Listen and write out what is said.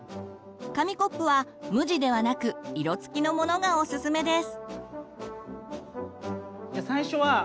紙コップは無地ではなく色付きのものがおすすめです。